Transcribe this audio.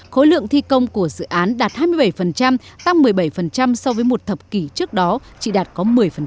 khối lượng thi công của dự án đạt hai mươi bảy tăng một mươi bảy so với một thập kỷ trước đó chỉ đạt có một mươi